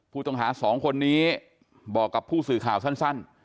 ผู้ต้องหา๒คนนี้บอกกับผู้สื่อข่าวสั้น